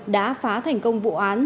đã phá thành công vụ án